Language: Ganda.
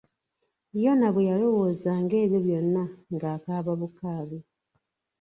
Yona bwe yalowoozanga ebyo byonna, ng'akaaba bukaabi.